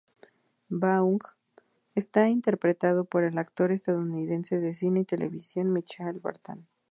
Vaughn está interpretado por el actor estadounidense de cine y televisión Michael Vartan.